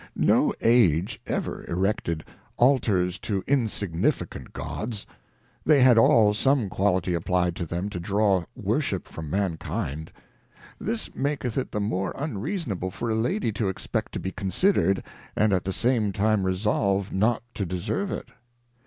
'i^oAge_^/^v erected Altars to insignifi cant Gods ; they had all some quality applied to tliem to draw worship from_Ma«^^;^,; this mal<eth" it the mofeuirreasonable for '&^Lady_Xa_, expect to be consider'd, and at the same time resolve not to deserve it.